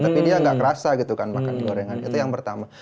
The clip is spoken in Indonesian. tapi dia nggak kerasa gitu kan makan gorengan itu yang pertama